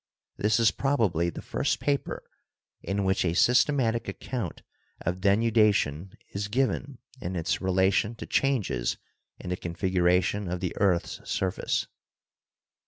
This is probably the first paper in which a systematic account of denudation is given in its relation to changes in the 42 GEOLOGY configuration of the earth's surface.